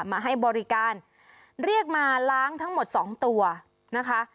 มาให้บริการเรียกมาล้างทั้งหมดสองตัวนะคะ